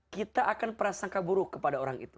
kita akan prasangka buruk kepada orang itu